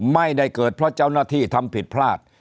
ไม่ได้เกิดเพราะเจ้าหน้าที่ทำผิดพลาด